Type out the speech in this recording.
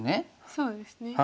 そうですね。